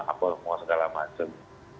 apa apa segala macam